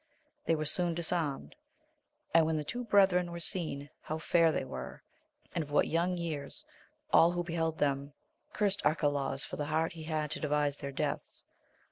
They were soon disarmed; and, when the two brethren were seen, how fair they were, and of what young years, all who beheld them cursed Arcalaus for the heart he had to devise their deaths.